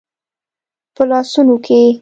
په لاسونو کې